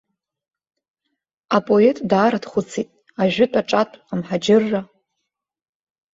Апоет даара дхәыцит, ажәытә-аҿатә, амҳаџьырра.